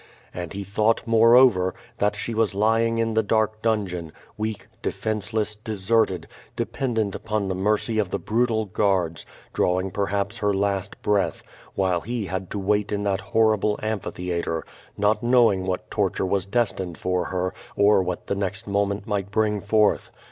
And he thought, moreover, that she was lying in the dark dungeon, weak, defensekss, deserted, dependent upon the mercy of the brutal guards, drawing perhaps her last breath, while he had to wait in that horrible amphitheatre, not knowing what tor ture was destined for her, or what the next moment might bring forth.